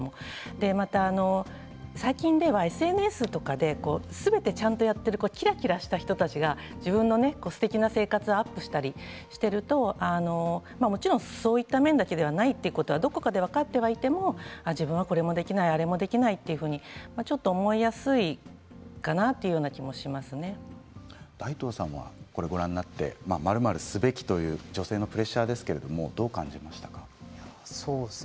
また、最近ではＳＮＳとかですべてちゃんとやっているキラキラした人たちが自分の夫婦生活をアップしたりしているともちろんそういった面だけではないということがどこかで分かっていても自分があれもできないこれもできないというふうに思いやすいかなと大東さんはすべきという、このプレッシャーどうですか。